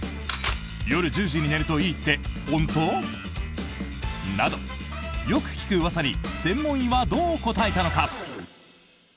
夜１０時に寝るといいって本当？などよく聞くうわさに専門医はどう答えたのか。